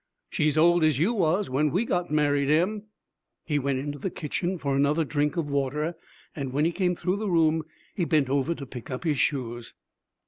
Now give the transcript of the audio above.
'She's old as you was, when we got married, Em.' He went into the kitchen for another drink of water. When he came through the room, he bent over to pick up his shoes.